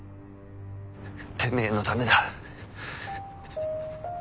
てめえのためだ。